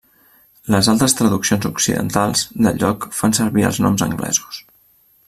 Les altres traduccions occidentals del joc fan servir els noms anglesos.